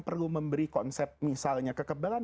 perlu memberi konsep misalnya kekebalan